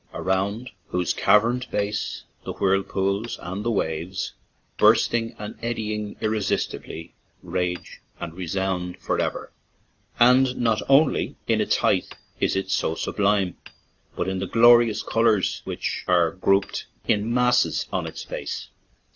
around Whose caverned base the whirlpools and the waves, Bursting and eddying irresistibly, Rage and resound forever." And not only in its height is it so sublime, but in the glorious colors which are grouped in masses on its face.